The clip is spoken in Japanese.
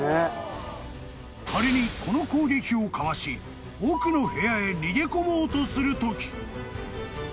［仮にこの攻撃をかわし奥の部屋へ逃げ込もうとするとき］